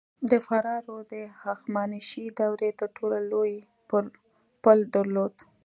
د فراه رود د هخامنشي دورې تر ټولو لوی پل درلود